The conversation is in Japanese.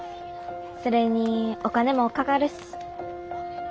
それにお金もかかるし。